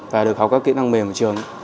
và được học các kỹ năng mềm ở trường